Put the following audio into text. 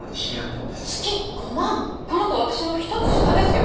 この子私の１つ下ですよ。